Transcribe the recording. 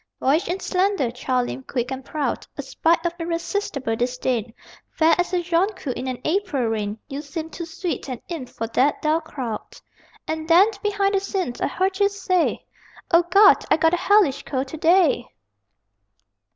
Boyish and slender, child limbed, quick and proud, A sprite of irresistible disdain, Fair as a jonquil in an April rain, You seemed too sweet an imp for that dull crowd.... And then, behind the scenes, I heard you say, "_O Gawd, I got a hellish cold to day!